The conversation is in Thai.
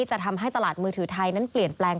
จะทำให้ตลาดมือถือไทยนั้นเปลี่ยนแปลง